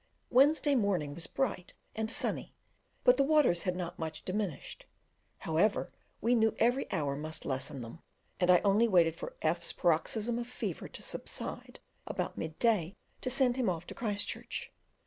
Wednesday morning was bright and sunny, but the waters had not much diminished: however, we knew every hour must lessen them, and I only waited for F 's paroxysm of fever to subside about mid day to send him off to Christchurch.